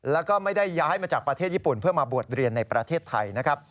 แล้วก็ไม่ได้ย้ายมาจากประเทศญี่ปุ่นเพื่อมาบวชเรียนในประเทศไทยนะครับ